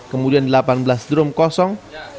kemudian delapan belas drum kosong